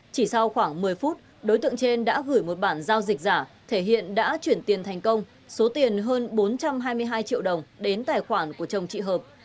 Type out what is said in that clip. chỉ sau khoảng một mươi phút đối tượng trên đã gửi một bản giao dịch giả thể hiện đã chuyển tiền thành công số tiền hơn bốn trăm hai mươi hai triệu đồng đến tài khoản của chồng chị hợp